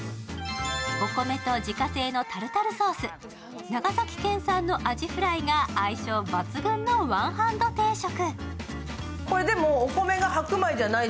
お米と自家製のタルタルソース、長崎県産のアジフライが相性抜群のワンハンド定食。